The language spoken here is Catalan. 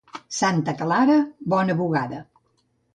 Santa Clara, bona bugada.